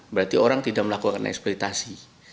berarti orang tidak melakukan eksploitasi